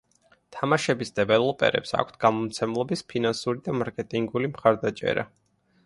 თამაშების დეველოპერებს აქვთ გამომცემლების ფინანსური და მარკეტინგული მხარდაჭერა.